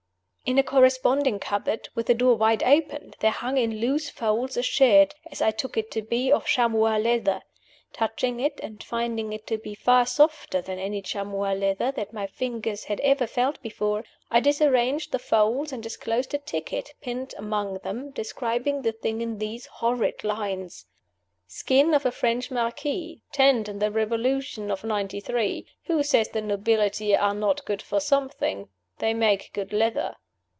In a corresponding cupboard, with the door wide open, there hung in loose folds a shirt (as I took it to be) of chamois leather. Touching it (and finding it to be far softer than any chamois leather that my fingers had ever felt before), I disarranged the folds, and disclosed a ticket pinned among them, describing the thing in these horrid lines: "Skin of a French Marquis, tanned in the Revolution of Ninety three. Who says the nobility are not good for something? They make good leather."